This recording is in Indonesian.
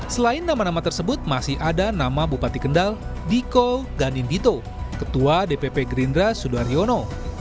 selain nama nama tersebut masih ada nama bupati kendal diko ghanimbito ketua dpp gerindra sudaryono